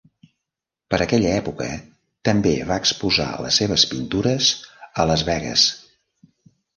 Per aquella època, també va exposar les seves pintures a Las Vegas.